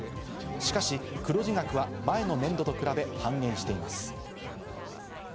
しかし黒字額は前の年度と比べ半減しています。